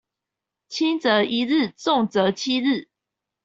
輕則一日重則七日